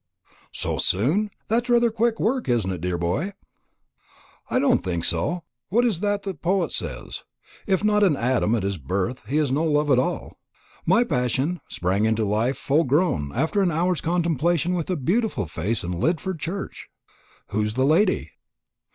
"So soon! That's rather quick work, isn't it, dear boy?" "I don't think so. What is that the poet says? 'If not an Adam at his birth, he is no love at all.' My passion sprang into life full grown after an hour's contemplation of a beautiful face in Lidford church." "Who is the lady?"